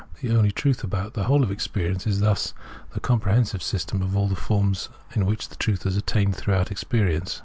The only truth about the whole of esperience is thus the comprehensive system of all the forms in which truth is attained throughout experience.